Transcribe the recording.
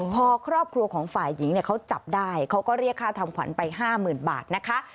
พอครอบครัวของฝ่ายหญิงเขาจับได้เขาก็เรียกค่าทำขวัญไป๕๐๐๐บาทนะคะ